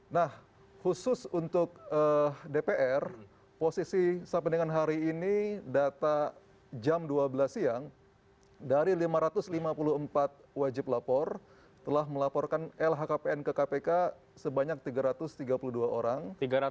nah khusus untuk dpr posisi sampai dengan hari ini data jam dua belas siang dari lima ratus lima puluh empat wajib lapor telah melaporkan lhkpn ke kpk sebanyak tiga ratus tiga puluh dua orang